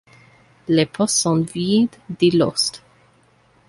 Les pots sont vuydes, dit l’hoste.